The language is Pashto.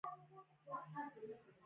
له حکومته شړل شوی و